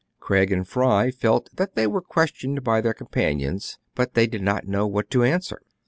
Craig and Fry felt that they were questioned by their companions ; but they did not know what to answer.